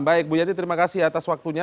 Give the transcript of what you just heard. baik bu yanti terima kasih atas waktunya